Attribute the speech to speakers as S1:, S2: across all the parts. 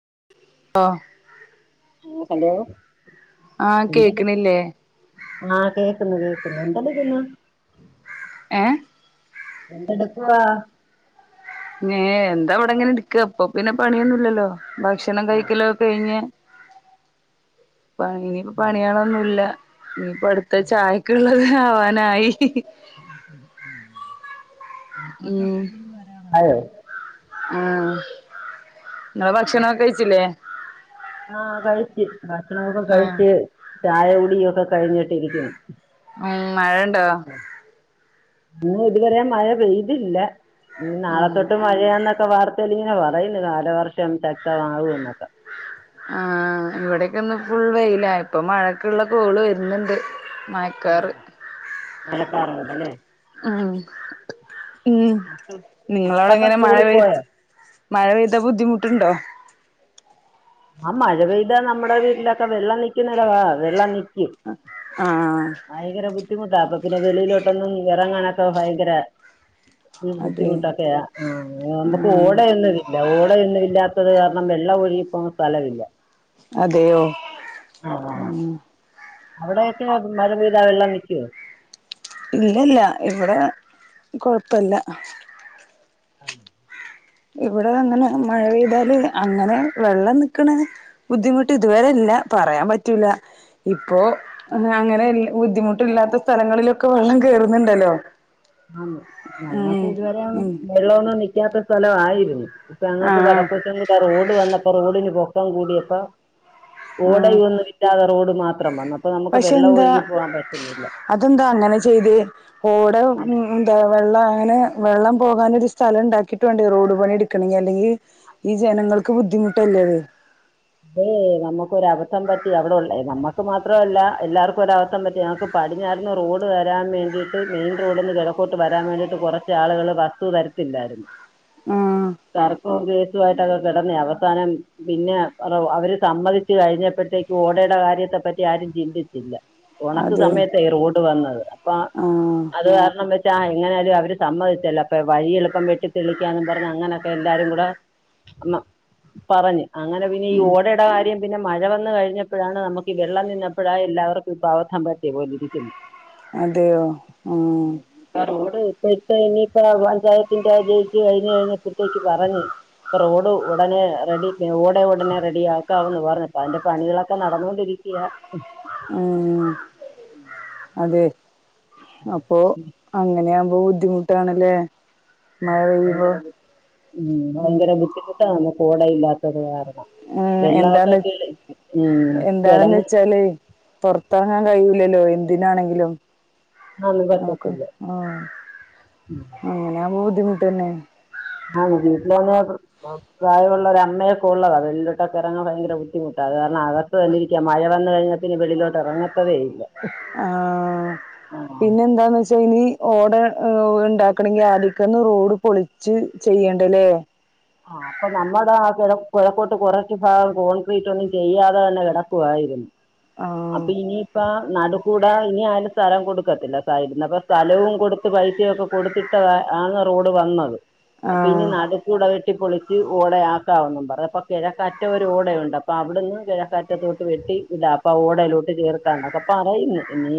S1: [unintelligible]
S2: Hello
S1: ആഹ് കേക്കണില്ലേ
S2: ആഹ കേക്കുന്നു കേ എന്തെടുക്കുന്നു?
S1: ഏഹ്
S2: എന്തെടുക്കുവാ?
S1: എന്താ അവിടെങ്ങനെ എടുക്ക അപ്പൊ പിന്നെ പണിയൊന്നുംല്ലല്ലോ ഭക്ഷണം
S2: ആഹ്
S1: കഴിക്കലോ കഴിഞ്ഞഞ് പ ഇനിയിപ്പ പണിയാളോന്നുമല്ല ഇനിയിപ്പ അടുത്ത ചായക്കുള്ളത് ആവാനായി ഉം
S2: [unintelligible]
S1: ആഹ് നിങ്ങള് ഭക്ഷണൊക്കെ കഴിച്ചില്ലേ
S2: ആഹ കഴിച്ചു ഭക്ഷണമൊക്കം
S1: ആഹ്
S2: കഴിിച്ചു ചായ കുടിയക്കെ കഴിഞ്ഞിട്ടിരിക്കുന്നു
S1: ഉം മഴണ്ടോ?
S2: ഇ ഇതുവരെ മഴ പെയ്തില്ല ഇനി
S1: ഉം
S2: നാളെത്തൊട്ട് മഴയാന്നൊക്കെ വാർത്ത ലിങ്ങനെ പറയുന്നു കാല വർഷം ശക്തമാവ എന്നൊക്കെ
S1: ആഹ് ഇവിടെൊക്ക ഒന്നും ഫുൾ വെയില ഇപ്പൊ മഴക്കുള്ള കോള് വരുന്നുണ്ട്
S2: ആ
S1: മായക്കാറ്
S2: മഴക്കാറുണ്ടല്ലേ
S1: ഉം ഉം
S2: മക്കൾ
S1: നിങ്ങളവിടെ
S2: മക്കളൊക്കെ
S1: ഇങ്ങനെ മഴ
S2: സ്കൂളിൽ
S1: പെയ്
S2: പോയോ
S1: മഴ പെയ്താ ബുദ്ധിമുട്ടുണ്ടോ?
S2: ആഹ് മഴ പെയ്താ നമ്മുടെ വീട്ടിലൊക്കെ വെള്ളം നൽക്കുന്നടവ വെള്ളം ന
S1: ആ
S2: ബുദ്ധിമുട്ടാ അപ്പൊ പിന്നെ വെളിയിലോട്ടൊന്നും ഇറങ്ങാണൊക്കെ ഭയങ്കര
S1: അതെ
S2: ബുദ്ധിമുട്ടൊക്കെയ ആ നമുക്ക്
S1: ആഹ്
S2: ഓടയൊന്നും ഇല്ല ഓടൊന്നുമ ഇല്ലാത്ത ത് കാരണം വെള്ള ഒഴി ഇപ്പൊന്നും സ്ഥലമില്ല
S1: അതെയോ ഉ
S2: അവിടെയൊക്കെ മരം പെയ്താ വെള്ളം നിക്കുവോ
S1: ഇല്ലല്ല ഇവിടെ കൊഴപ്പല്ല
S2: ആ
S1: ഇവിടെ അങ്ങനെ മഴ പെയ്താല് അങ്ങനെ വെള്ളം നിക്കണ ബുദ്ധിമുട്ട് ഇതുവരെല്ല പറയാൻ പറ്റൂല ഇപ്പോ അങ്ങനെ ബുദ്ധിമുട്ടില്ലാത്ത സ്ഥലങ്ങളിലൊക്കെ വെള്ളം കേയറുന്നുണ്ടല്ലോ
S2: ആ ഞങ്ങക്ക് ഇതുവരെ
S1: ഉം
S2: വെള്ള ഒന്നും നിക്കാത്ത സ്ഥല ആയിരുന്നു ഇപ്പൊ ഞങ്ങക്ക്
S1: ആഹ്
S2: വടക്ക കൊച്ചം കൂടെ റോഡ് വന്നപ്പോ റോഡിന് പൊക്കം കൂടിയപ്പ ഓട
S1: ആഹ്
S2: ഒന്നും കിട്ടാതെ റോഡ് മാത്രം വന്ന
S1: പക്ഷെ എന്താ അതെന്താ അങ്ങനെ ചെയ്ത് ഓടെ ഉന്ത വെള്ള അങ്ങനെ വെള്ളം പോകാനൻ ഒരു സ്ഥലം ഉണ്ടാക്കിട്ട വേണ്ട റോഡ് പണി എടുണെങ്ക അല്ലെങ്കിൽ ഈ ജനങ്ങൾക്ക് ബുദ്ധി ബിട്ടല്ലേത്
S2: അതെ നമുക്ക് ഒരു അബധം പറ്റി അവിടെള്ള നമ്മുക്ക് മാത്രമല്ല എല്ലാവർക്ക ഒര അവസ്ഥം പറ്റി നമക്ക് പടിഞ്ഞാർന്ന് റോഡ് വരാൻ വേണ്ടിട്ട് മെയിൻ റോഡിൽന്ന് കിഴക്കോട്ട് വരാൻ വേണ്ടിയിട്ട് കുറച്ച് ആളുകൾ വസ് വര ല്ലായിരുന്നു
S1: ആ
S2: കർുക്കവും ഗ്രേസുമായിട്ടക്കെ കിടന്നേ അവസാനം പിന്നെ അവര് സമ്മതിച്ചു കഴിഞ്ഞപ്പോഴത്തേക്ക് ഓടയുടെ കാര്യത്തെ പറ്റി ആരും ചിന്തിച്ചില്ല ഉണക്ക്
S1: അത്
S2: സമയത്തായി റോഡ് വന്നത് അപ്പൊ
S1: ആഹ് അതെ ആഹ്
S2: അത് കാരണം വെച്ചാ എങ്ങനാലും അവര് സമ്മതില്ലേ അപ്പൊ വഴി എളുപ്പം വെട്ടി തെളിയിക്കാം പറഞ്ഞു അങ്ങനെയൊക്കെ എല്ലാരും കൂടെ ആ പറഞ്ഞു അങ്ങനെ പിന്ന ഈ
S1: ഉം
S2: ഓടയുടെ കാര്യം പിന്നെ മഴ വന്ന കഴിഞ്ഞപ്പോഴാണ് നമുക്ക് വെള്ളം നിന്നപ്പോഴായ എല്ലാവർക്കും ഇപ്പൾ അവധം പറ്റുള്ളൂ റ
S1: അതെയോ ഉം
S2: ഇട്ട ഇനിയിപ്പോ പഞ്ചായത്തിന്റെയതിലേക്ക് കഴിഞ്ഞത് കഴിഞ്ഞപ്പത്തേക്ക് പറഞ്ഞ് പോയി. ഇപ്പൊ റോഡ് ഉടനെ റെഡി ഞങ്ങ ള് ഉടനെ റെഡി ആക്കാവെന്ന് പറഞ്ഞപ്പതിന്റെ പണികളൊക്കെ നടന്നോണ്ടിരിക്കയാ.
S1: ഉം അതെ അപ്പൊ അങ്ങനെയാകുമ്പോ ബുദ്ധിമുട്ടാണല്ലേ. മഴ പെയ്യുമ്പോ
S2: ഉം ഭയങ്കര ബുദ്ധിമുട്ടാണ് നമ്മെക്ക് ഓടയില്ലാത്തത് കാരണം.
S1: ഉം
S2: വെള്ളമൊക്കെ
S1: എന്താന്ന്
S2: കിളി ഉം
S1: എന്താണെന്ന്
S2: കിളന്ന്
S1: വെച്ചാല് പൊറത്തെറങ്ങാൻ കഴിയി ല്ലല്ലോ എന്തിനാണെങ്കിലും
S2: ഒന്നും
S1: നോക്ക്
S2: പറ്റത്തില്ല
S1: ഉം ഇങ്ങനെയാന്ന് ബു ദ്ധിമുട്ടേന്നേ
S2: ആ വീട്ടിലാണെ തന്നെ പ്രായമൊള്ളര് അമ്മയൊക്കെള്ളതാ വെള്ളിലോട്ടൊക്കെയിറങ്ങാൻ ഭയങ്കര ബുദ്ധിമുട്ടാ. കാരണം അകത്ത് തന്നിരിക്കാ. മഴ വന്നു കഴിഞ്ഞാപ്പിന്നെ വെളിലോട്ടേറങ്ങത്തേയില്ല.
S1: ആ പിന്നെ എന്താന്ന് വെച്ചാ ഇനി ഓട ഉണ്ടാക്കണെങ്കി ആദിക്കൊന്ന് റോഡ് പൊളിച്ച് ചെയ്യണ്ടല്ലേ.
S2: ആ അപ്പൊ നമ്മെടെ ആ കെട കെഴക്കോട്ട് കൊറച്ച് ഭാഗം കോൺക്രീറ്റൊന്നും ചെയ്യാതെത്തന്നെ കെടക്കുവായിരുന്നു.
S1: ആഹ്
S2: അപ്പയിനിയിപ്പ നടു ക്കൂടേ ഇനി ആരും സ്ഥലം കൊടുക്കത്തില്ല. സൈഡിന്നെക്കെ സ്ഥലവും കൊടുത്ത് പൈസയൊക്കെ കൊടുത്തിട്ടയാന്ന് റോഡ് വന്നത്. അപ്പയിനി
S1: ആഹ്
S2: നടുക്കൂടെ വെട്ടി പൊളി ച്ച് ഓടയാക്കാവെന്നും പറയ. അപ്പ കിഴക്കറ്റം ഒര് ഓടയൊണ്ട്. അപ്പ അവെടെന്ന് കിഴക്കറ്റത്തോട്ട് വെട്ടി വിടാ ന്ന് ഓടയിലോട്ട് ചേർക്കാന്നൊക്കെ പറയുന്നു. ഇനി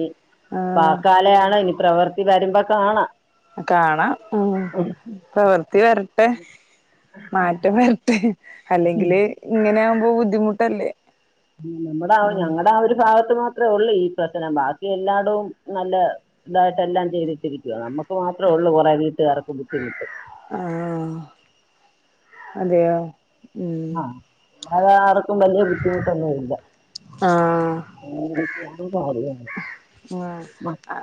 S1: ആഹ്
S2: വാക്കാലേയാ ണ് ഇനി പ്രവൃത്തി വരുമ്പോ കാണാം.
S1: കാണാം. ഉം പ്രവൃത്തി വര ട്ടെ മാറ്റം വരട്ടെ. അല്ലെങ്കില് ഇങ്ങനെയാമ്പോ ബുദ്ധിമുട്ടല്ലേ.
S2: നമ്മുടെ
S1: ഉം
S2: ഞങ്ങളടെ ആ ഒരു ഭാഗത്ത് മാ മാത്രോള്ളൂ ഈ പ്രശ്നം. ബാക്കിയെല്ലാടെവും നല്ലയിതായിട്ടെല്ലാം ചെയ്തിട്ടിരിക്കുക. നമ്മുക്ക് മാത്രോള്ള്. വൊള്ളൂ കൊറെ വീട്ടുകാർക്ക് ബദ്ധിമുട്ട്.
S1: ആഹ് അതെയോ ഉം
S2: ആഹ് അല്ലാതാർക്കും വെല്യ ബുദ്ധിമുട്ടൊന്നും ഇല്ല.
S1: ആഹ്
S2: അങ്ങനെയൊക്കെയാണ് കാര്യങ്ങൾ
S1: ഉം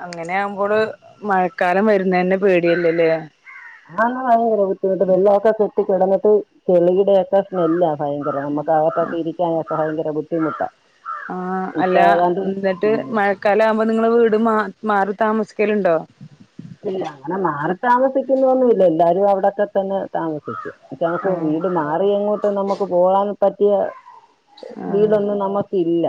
S1: അങ്ങനെയാകുമ്പോള് മഴക്കാലം വെരുന്നതിന്റെ പേടിയില്ലല്യേ.
S2: ആ [unintelligible] വെല്ലൊക്കെക്കിട്ട്. ട്ട് കെടന്നിട്ട് ചെളിയേടെക്കെ സ്മെല്ലാ ഭയങ്കരം. നമ്മെക്ക് അകത്തക്കെയിരിക്കാനെക്കെ ഭയങ്കര ബുദ്ധിമുട്ടാ.
S1: ആ അല്ല എന്നിട്ട്
S2: ഉം.
S1: മഴക്കാലയാവുമ്പോ നിങ്ങള് വീട് മാ മാറി താമസിക്കെലുണ്ടോ?
S2: ഇല്ല. അങ്ങനെ മാറി താമസിക്കുന്നെന്നുല്ല. എല്ലാരും അവിടെക്കെത്തന്നെ താമസിക്കും. പക്ഷെ നമ്മെക്ക്
S1: ആഹ്
S2: വീട് മാറിയെങ്ങോട്ടെന്നും നമ്മെക്ക് പോകാൻ പറ്റിയ
S1: ആഹ്
S2: വീടൊന്നും നമ്മെക്കില്ല.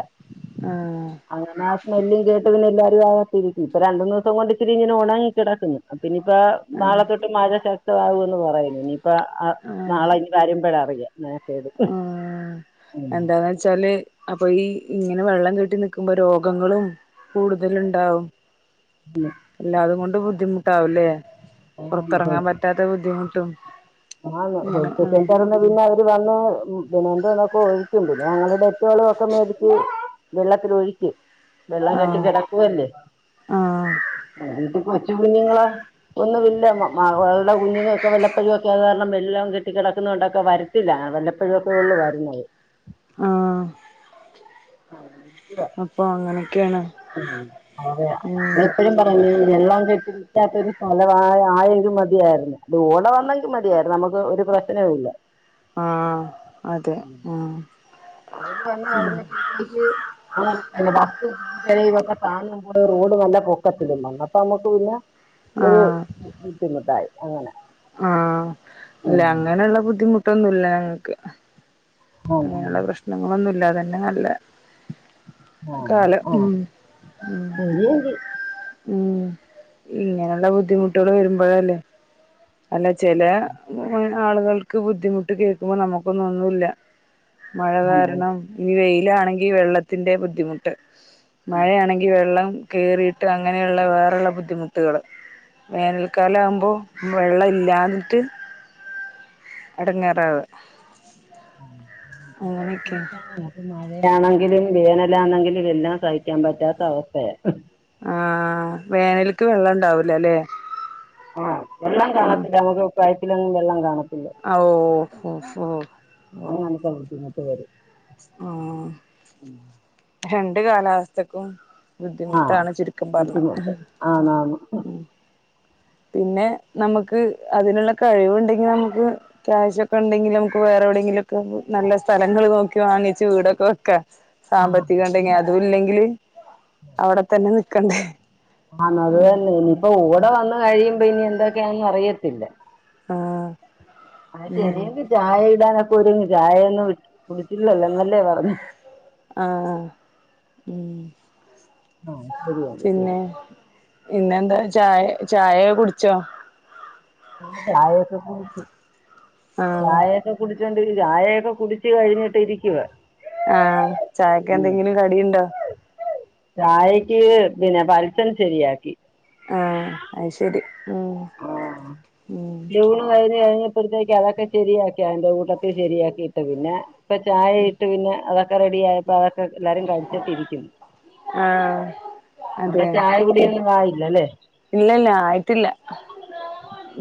S1: ആഹ്
S2: അങ്ങനെ ആ സ്മെല്ലും കേട്ടതിന്റൊ ത്തിരിക്കും. ഇപ്പ രണ്ടുമൂന്നു ദിസോം കൊണ്ടിച്ചിരിയിങ്ങനെ ഒണങ്ങിക്കെടക്കുന്നു. അതിനിപ്പോ നാളെത്തൊട്ട് മഴ ശക് തിയാകുന്ന് പറയുന്നു. ഇനിയിപ്പ ആ നാളെയിനി വരുമ്പോഴറിയാം മെനക്കേട്. ഉം
S1: ആഹ് എന്താന്ന് വെച്ചാല് അപ്പൊ ഈ ഇങ്ങനെ വെള്ളം കെട്ടിനിക്കുമ്പോ രോഗങ്ങളും കൂടുതലുണ്ടാവും.
S2: ഉം.
S1: എല്ലാതും കൊണ്ട് ബുദ്ധിമുട്ടാവില്ലേ. പൊറത്തെറങ്ങാൻ പറ്റാത്ത ബുദ്ധിമുട്ടും.
S2: ആഹ്
S1: ഇങ്ങനെ
S2: പോലീസ് സ്റ്റേഷനിൽ
S1: ആഹ്
S2: പറഞ്ഞാ പിന്നെ അവെര് വന്നു ഉം ഏതാണ്ടക്കണക്കെ ഒഴിക്കും. പിന്നെ ഞങ്ങെള് ഡെറ്റോളുക്കെ മേടിച്ച് വെള്ളത്തിൽ ഒഴിക്കും. വെള്ളം കെട്ടി
S1: ആഹ്
S2: കെടക്കുവല്ലേ
S1: ആഹ്
S2: ഉം വീട്ടി കുളിച്ചു. കുഞ്ഞുങ്ങളോ ഒന്നുമില്ല. മകളുടെ കുഞ്ഞുങ്ങക്കെ വല്ലപ്പോഴുമെരിക്കെ ക്കെതു കാരണം വെല്ലം കെട്ടി കെടക്കുന്നക്കൊണ്ടൊക്കെ വെരത്തില്ല. ആ വെല്ലപ്പോഴൊക്കെള്ളു വരുന്നത്.
S1: ആഹ്
S2: ആഹ്
S1: അപ്പൊ അങ്ങനെ
S2: ഉം അതെ അമ്മ എപ്പഴും പറഞ്ഞു വെള്ളോം കി- കിട്ടാത്തൊരു സ്ഥലം ആയേലും മതിയായിരുന്നു അത് ഓടെവാന്നേലും മതിയായിരുന്നു നമുക്ക് ഒരു പ്രശ്നൊവില്ല
S1: ആഹ് അതെ ഉം
S2: റോഡ് വന്ന്കഴിഞ്ഞപ്പത്തേക്ക് പിന്നെ ബസ്സും [unintelligible] മൊക്കെ താണുമ്പോ റോഡ് നല്ല പൊക്കത്തിലും നമ്മക്ക് പിന്നെ ഒരു
S1: ആഹ്
S2: ബുദ്ധിമുട്ടായി അങ്ങനെ
S1: ആഹ് അല്ല
S2: ഉം.
S1: അങ്ങനെള്ള ബുദ്ധിമുട്ടൊന്നൂല്ല ഞങ്ങക്ക്
S2: ഉം.
S1: അങ്ങനെയുള്ള പ്രശ്നങ്ങളൊന്നുമില്ലാതന്നെ നല്ല കാലം ഉം
S2: ശരിയെങ്കി.
S1: ഉം ഇങ്ങനൊള്ള ബുദ്ധിമുട്ടോള് വരുമ്പഴല്ലേ അല്ല ചില ആളുകൾക്ക് ബുദ്ധിമുട്ട് കേൾക്കുമ്പൊ നമുക്കൊന്നും ഒന്നൂല്ല മഴ കാരണം ഈ വെയിലാണെങ്കി വെള്ളത്തിന്റെ ബുദ്ധിമുട്ട് മഴയാണെങ്കി വെള്ളം കേറീട്ട് അങ്ങനെയുള്ള വേറുള്ള ബുദ്ധിമുട്ടുകള് വേനൽക്കാലം ആമ്പൊ വെള്ളം ഇല്ലാഞ്ഞിട്ട് ഇടങ്ങേറാവ്
S2: [inaudible] ആണെങ്കിലും വേനലാണെങ്കിലും എല്ലാം സഹിക്കാൻ പറ്റാത്ത അവസ്ഥയ
S1: ആഹ് വേനലക്ക് വെള്ളം ഇണ്ടാവൂല അല്ലേ
S2: ആഹ് വെള്ളം കാണത്തില്ല നമുക്ക് പൈപ്പിലൊന്നും വെള്ളം കാണത്തി-
S1: ഓ ഓഹ് ഓഹ്
S2: [unintelligible]
S1: ആഹ് രണ്ട് കാലാവസ്ഥക്കും
S2: ആ
S1: ബുദ്ധിമുട്ടാണ് ചുരുക്കം പറഞ്ഞ
S2: ബുദ്ധിമുട്ട് ആണാണ്
S1: ഉം പിന്നെ നമ്മക്ക് അതിനുള്ള കഴിവുണ്ടെങ്കി നമുക്ക് ക്യാഷൊക്കെ ഉണ്ടെങ്കി നമുക്ക് വേറെ എവിടെങ്കിലൊക്കെ നല്ല സ്ഥലങ്ങൾ നോക്കി വാങ്ങിച്ച് വീടൊക്കെ വെക്കാ
S2: ആ
S1: സാമ്പത്തികണ്ടെങ്കി അതും ഇല്ലെങ്കില് അവിടെ തന്നെ നിക്കണ്ടെ
S2: ആന്ന് അത് തന്നെ ഇനിയിപ്പ കൂടെ വന്ന് കഴിയുമ്പോ ഇനി എന്തൊക്കെയെന്ന് അറിയത്തില്ല
S1: ആഹ്
S2: അത്
S1: ഉം
S2: ശരിയന്ന് ചായ ഇടാനൊക്കെ ഒരുങ്ങ് ചായ ഒന്നും കുടിച്ചില്ലല്ലോ എന്നല്ലേ പറഞ്ഞെ
S1: ആഹ് ഉം
S2: ആഹ് ശരിയാണ് ശെരി
S1: പിന്നെന്താ ചായ ചായ കുടിച്ചോ
S2: ചായയൊക്കെ കുടിച്ച്
S1: ആഹ്
S2: ചായയൊക്കെ കുടി- ചായയൊക്കെ കുടിച്ച് കഴിഞ്ഞിട്ട് ഇരിക്കുവ
S1: ആഹ് ചായക്ക് എന്തെങ്കിലും കടിയിണ്ടോ
S2: ചായക്ക് പിന്നെ പരചം ശരിയാക്കി
S1: ആഹ് അയ്ശരി
S2: ആഹ് ലൂണ് കഴിഞ്ഞഴിഞ്ഞ് ഇപ്പഴത്തേക്ക് അതൊക്കെ ശരിയാക്കി അതിന്റെ കൂട്ടത്തി ശരിയാക്കിയിട്ട് പിന്നെ ഇപ്പ ചായ ഇട്ട് പിന്നെ അതൊ- ക്കെ റെഡി ആയപ്പോ അതൊക്കെ എല്ലാരും കഴിച്ചിട്ടിരിക്കുന്നു
S1: ആഹ് അതെ
S2: അവിടെ
S1: ഉം
S2: ചായകുടിയൊന്നും ആയില്ലല്ലേ
S1: ഇല്ലല്ല ആയിട്ടില്ല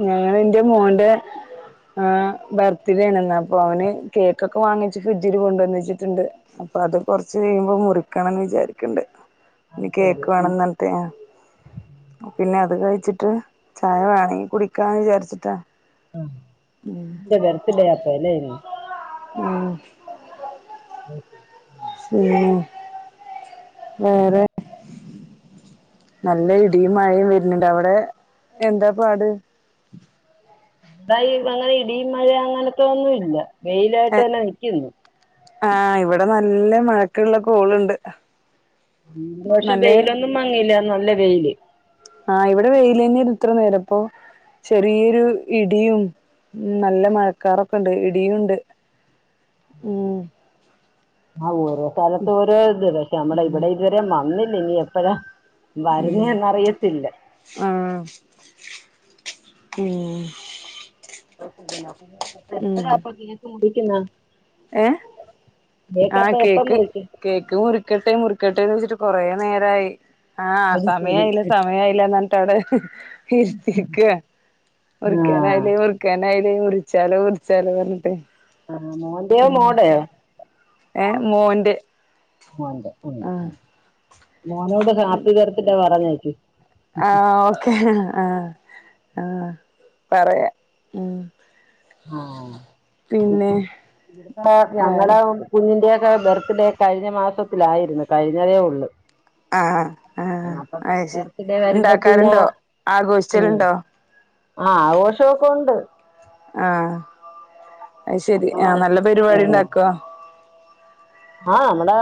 S1: ഞങ്ങള് ന്റെ മോന്റെ ആഹ് ബർത്ത്ഡേണ് ഇന്ന് അപ്പൊ അവന് കേക്കൊക്കെ വാങ്ങിച്ച് ഫ്രിഡ്ജില് കൊണ്ട്ന്ന്ച്ചിട്ടുണ്ട് അപ്പൊ അത് കൊറച്ച് കഴിയുമ്പോ മുറിക്കണംന്ന് വിചാരിക്കണ്ട് ഇനി
S2: അത് ശരി
S1: കേക്ക് വേണനറഞ്ഞിട്ടേ പിന്നെ അത് കഴിച്ചിട്ട് ചായ വേണങ്കി കുടിക്കാന്ന് വിചാരിച്ചിട്ടാ
S2: ആ
S1: ഉം
S2: ന്റെ ബെർത്തി ഡ അപ്പ അല്ലേ ഇന്ന്
S1: ഉം [unintelligible]
S2: [unintelligible]
S1: ഉം വേറെ നല്ല ഇടിയും മഴയും വരുന്നുണ്ട് അവിടെ എന്താ പാട്
S2: അത അങ്ങനെ ഇടി മഴ അങ്ങനത്തെ ഒന്നും ഇല്ല വെയിലായിട്ട് തന്നെ നിക്കുന്നു
S1: ആ ഇവിടെ നല്ല മഴക്കുള്ള കോൾണ്ട്
S2: പക്ഷെ വെയിലൊന്നും മങ്ങീല്ല നല്ല വെയില്
S1: ആ ഇവിടെ വെയിലെനെ ഇത്ര നേരപ്പൊ ചെറിയൊരു ഇടിയും നല്ല മഴക്കാറൊക്കെ ഉണ്ട് ഇടിയുംണ്ട് ഉം
S2: ആ ഓരോ സ്ഥലത്തും ഓരോ ഇത്. പക്ഷേ നമ്മടെ
S1: ഉം
S2: ഇവടെ ഇതുവരേം വന്നില്ല ഇനി എപ്പഴാ
S1: ഉം
S2: വരുന്നേറിയത്തില്ല
S1: [unintelligible] ഇം
S2: എപ്പോഴാ അപ്പ
S1: ഏ ആ
S2: അപ്പൊ എപ്പം
S1: കേക്ക്
S2: മുറിക്കും
S1: കേക്ക് മുറിക്കട്ടെ മുറിക്കട്ടെന്ന് ച്ചിട്ട കൊറേ നേരമായി ആ
S2: അത് ശരി
S1: സമയായില്ല സമയയില്ല എന്നിട്ട അടെ ഇരുത്തീക്കാ
S2: ആ
S1: മുറിക്കാനായിലേ ഒറുക്കൻായലേ മുറിച്ചാലോ ളുറിച്ചാലോ പറഞ്ഞിട്ട്
S2: ആ മോൻ്റെയോ?
S1: ഉം
S2: മോടയോ?
S1: ഏഹ് മോന്റെ
S2: മോൻ്റെ
S1: ആഹ്
S2: മോനോട് ഹാപ്പി ബർത്ത് ഡേ പറഞ്ഞേക്ക്
S1: ആ ഓക്കെ ആഹ ആ പറയാം ഉം
S2: ആ
S1: പിന്നെ
S2: ഇവിടതെ ഞങ്ങള
S1: വേറെ
S2: കുഞ്ഞിന്റെയൊക്കെ ബെർത്ത്ഡേ കഴിഞ്ഞു കഴിഞ്ഞ മാസത്തിലായിരുന്നു കഴിഞ്ഞ തേ ഒള്ളൂ
S1: ആഹ് ആഹ്
S2: അപ്പൊ
S1: അത് ശരി
S2: ബെർത്തിഡേ വരുമ്പോ പിന്നെ
S1: ഇണ്ടാക്കാറുണ്ടോ
S2: ഉം
S1: ആഘോഷിച്ചലുണ്ടോ
S2: ആ ആഘോഷമൊക്കെ ഉണ്ട്
S1: ആ അത് ശരി ആ നല്ല പരിപാടി ഉണ്ടാക്കോ
S2: ആ മ്മടെ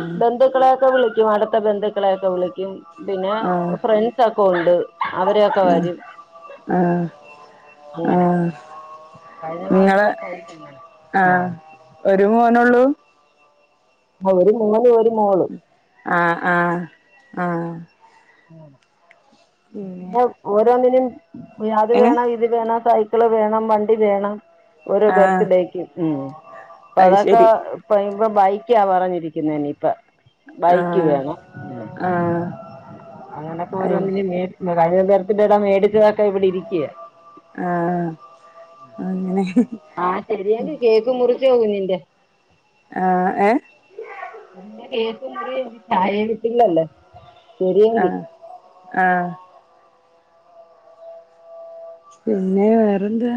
S1: ഉം
S2: ബന്ധുക്കളെയൊക്കെ വിളിക്കും അടുത്ത ബന്ധുക്കളെയൊക്കെ വിളിക്കും പിന്നെ
S1: ആ
S2: ഫ്രണ്ട്സ് ഒക്കെ ഉണ്ട് അവരൊക്കെ
S1: ആ
S2: വരും
S1: ആ ആ
S2: അങ്ങനെ
S1: നിങ്ങളെ ആ ഒരു മോനള്ളൂ
S2: ഒരു മോനും ഒരു മോളും
S1: ഉം ആ ആ ആ
S2: ഉം.
S1: പിന്നെ
S2: ദ് ഓരോന്നിനും യാത്
S1: ഏ
S2: വേണോ ഇത് വേണോ സഹ് ത്തില് വേണം വണ്ടി വേണം ഓരുടെ
S1: ആ
S2: ബെർത്ത്ഡേക്ക്. ഉം അപ്പ
S1: അത്
S2: അതൊക്കെ
S1: ശരി
S2: ഇപ്പ ഇപ്പ ബൈക്കാ പറഞ്ഞിരിക്കുന്നനി ഇപ്പ
S1: ആ
S2: ബൈക്ക് വേണം
S1: ആ
S2: അങ്ങനെയൊക്കെ
S1: അത്
S2: ഒരോന്ന്ൻ്റെ [unintelligible] മേടിച്ച
S1: ആ അങ്ങനെ
S2: ആ ശെരിയങ്ക കേക്ക് മുറിച്ചൊ കുഞീന്റെ
S1: ആ ഏ
S2: കേക്ക് മുറി ചായയേ കിട്ടില്ലല്ലേ
S1: ആ ആ പിന്നെ വേറെന്താ